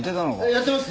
やってます